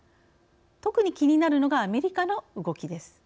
特に気になるのがアメリカの動きです。